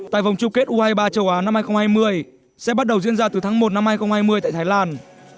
tại vòng chung kết u hai mươi ba châu á năm hai nghìn hai mươi sẽ bắt đầu diễn ra từ tháng một năm hai nghìn hai mươi tại thái lan